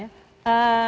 itu kan biasanya